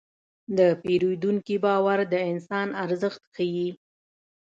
د پیرودونکي باور د انسان ارزښت ښيي.